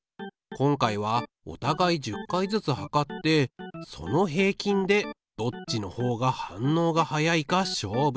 今回はおたがい１０回ずつ測ってその平均でどっちのほうが反応がはやいか勝負しよう。